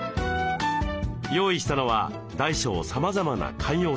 用意したのは大小さまざまな観葉植物。